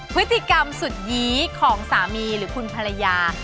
พฤติกรรมสุดยี้ของสามีหรือคุณภรรยา